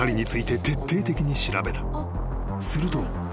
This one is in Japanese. ［すると］